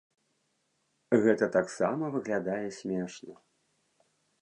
Гэта таксама выглядае смешна.